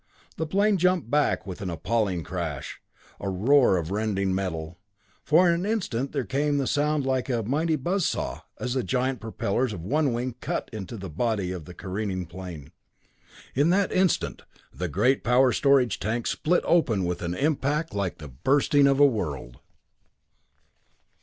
The plane jumped back with an appalling crash, a roar of rending metal. For an instant there came the sound like a mighty buzz saw as the giant propellers of one wing cut into the body of the careening plane. In that instant, the great power storage tank split open with an impact like the bursting of a world.